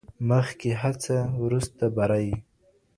مخکي هڅه وروسته بري